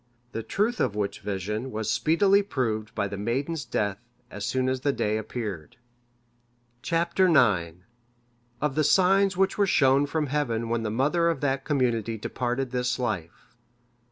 The truth of which vision was speedily proved by the maiden's death as soon as the day appeared. Chap. IX. Of the signs which were shown from Heaven when the mother of that community departed this life.